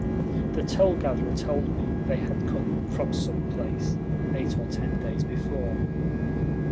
The toll gatherer told me they had come "from some place" eight or ten days before.